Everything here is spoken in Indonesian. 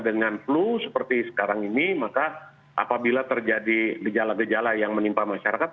dengan flu seperti sekarang ini maka apabila terjadi gejala gejala yang menimpa masyarakat